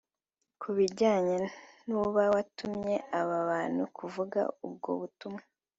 Ku bijyanye n’uba watumye aba bantu kuvuga ubwo butumwa